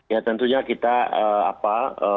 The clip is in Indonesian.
ya tentunya kita apa